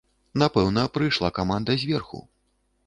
Напэўна, прыйшла каманда зверху.